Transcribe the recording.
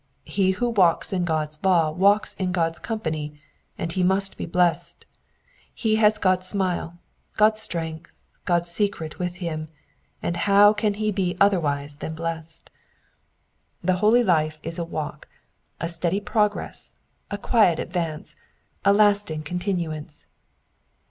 He who walks in God's law walks in God's com pany, and he must be blessed ; he has God's smile, God's strength, God's secret with him, and how can he be otherwise than blessed ? The holy life is a walk, a steady progress, a quiet advance, a lasting con tinuance.